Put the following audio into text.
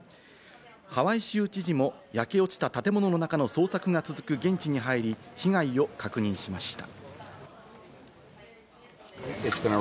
ハワイ州知事も焼け落ちた建物の中の捜索が続く現地に入り、被害を確認しました。